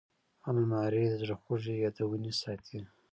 الماري د زړه خوږې یادونې ساتي